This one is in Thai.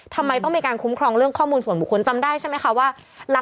ทำไมต้องมีการคุ้มครองเรื่องข้อมูลส่วนบุคคลจำได้ใช่ไหมคะว่า